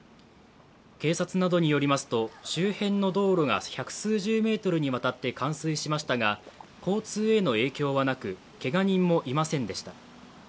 警察などによりますと、周辺の道路が百数十メートルにわたって冠水しましたが、交通の影響はなく、けが人もいませんでした。